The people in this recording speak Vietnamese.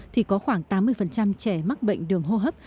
thì có khoảng tám mươi trẻ mắc bệnh đường hô hấp